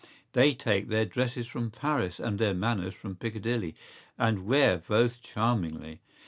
¬Ý They take their dresses from Paris and their manners from Piccadilly, and wear both charmingly.